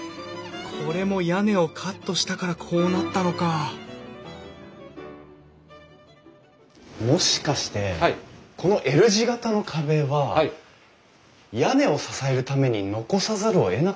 これも屋根をカットしたからこうなったのかもしかしてこのＬ字形の壁は屋根を支えるために残さざるをえなかったってことなんですか？